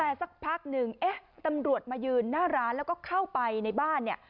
แต่สักพักหนึ่งเอ๊ะตำรวจมายืนหน้าร้านแล้วก็เข้าไปในบ้านเนี่ย